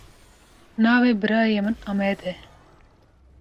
Navê birayê min Amed e.